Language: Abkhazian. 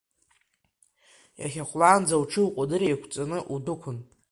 Иахьахәлаанӡа уҽи укәадыри еиқәҵаны удәықәын…